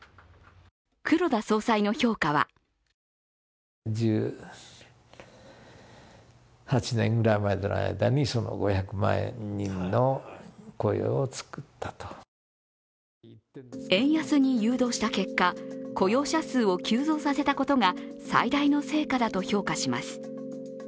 黒田総裁の評価は円安に誘導した結果雇用者数を急増させたことが最大の成果だと評価します。